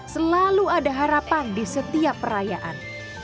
selalu ada harapan di setiap perayaan